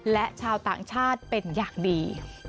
และชาวต่างชาติเป็นอย่างดี